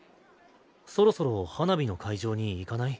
そろそろ花火の会場に行かない？